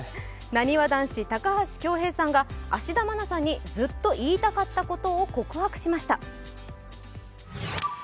なにわ男子・高橋恭平さんが芦田愛菜さんにずっと言いたかったことを告白しました。